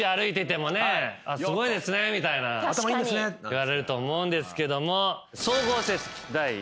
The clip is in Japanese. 言われると思うんですけども。